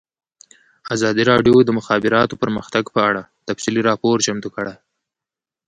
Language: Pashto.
ازادي راډیو د د مخابراتو پرمختګ په اړه تفصیلي راپور چمتو کړی.